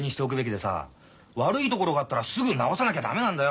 悪いところがあったらすぐ治さなきゃ駄目なんだよ。